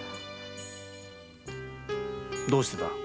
どうしてだ？